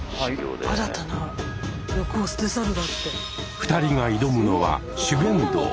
２人が挑むのは「修験道」。